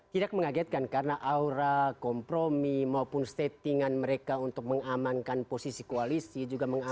tidak mengagetkan karena aura kompromi maupun settingan mereka untuk mengamankan posisi koalisi